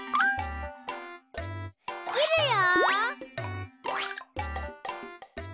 きるよ。